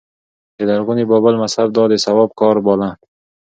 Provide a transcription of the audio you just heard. د لرغوني بابل مذهب دا د ثواب کار باله